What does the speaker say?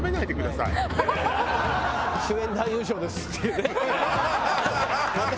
主演男優賞ですっていうね。